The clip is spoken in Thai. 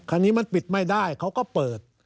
คันนี้มันปิดไม่ได้เขาก็เปิด